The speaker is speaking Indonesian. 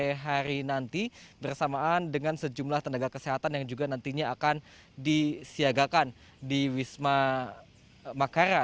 pada sore hari nanti bersamaan dengan sejumlah tenaga kesehatan yang juga nantinya akan disiagakan di wisma makara